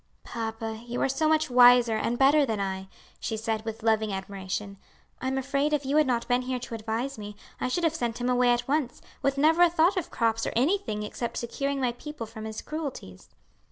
"Papa, you are so much wiser and better than I," she said, with loving admiration, "I'm afraid if you had not been here to advise me, I should have sent him away at once, with never a thought of crops or anything except securing my people from his cruelties."